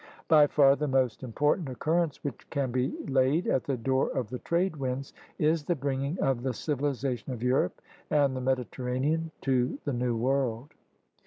By far the most important occurrence which can be laid at the door of the trade winds is the bring ing of the civilization of Europe and the Mediter ranean to the New World.